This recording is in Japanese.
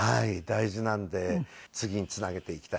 大事なんで次につなげていきたいなと。